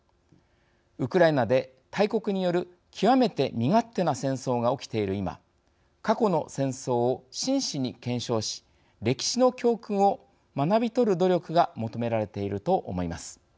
ウクライナで、大国による極めて身勝手な戦争が起きている今過去の戦争を真摯に検証し歴史の教訓を学び取る努力が求められていると思います。